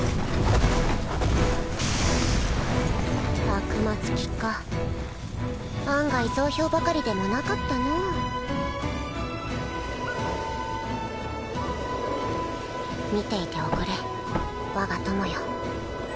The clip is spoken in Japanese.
悪魔憑きか案外雑兵ばかりでもなかったのう見ていておくれ我が友よ